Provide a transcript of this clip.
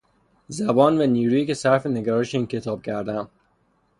زمان و نیرویی که صرف نگارش این کتاب کردهام